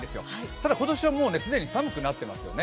ただ今年はもう既に寒くなっていますよね。